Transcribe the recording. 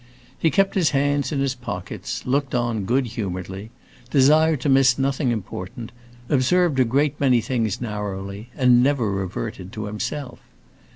He kept his hands in his pockets, looked on good humoredly, desired to miss nothing important, observed a great many things narrowly, and never reverted to himself.